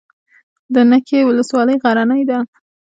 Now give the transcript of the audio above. د نکې ولسوالۍ غرنۍ ده